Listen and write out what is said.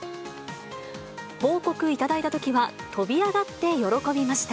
報告いただいた時は、飛び上がって喜びました。